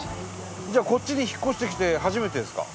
じゃあこっちに引っ越してきて初めてですか？